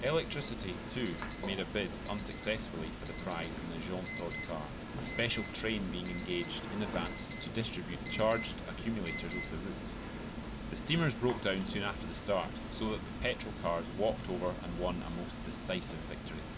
Electricity, too, made a bid unsuccessfully for the prize in the Jeantaud car, a special train being engaged in advance to distribute charged accumulators over the route. The steamers broke down soon after the start, so that the petrol cars "walked over" and won a most decisive victory.